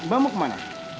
mbak mau kemana